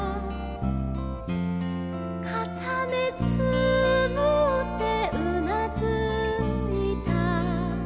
「かためつむってうなずいた」